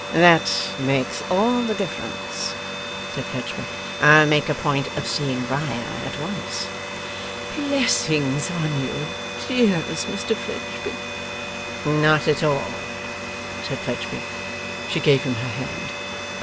'That makes all the difference,' said Fledgeby. 'I'll make a point of seeing Riah at once.' 'Blessings on you, dearest Mr Fledgeby!' 'Not at all,' said Fledgeby. She gave him her hand.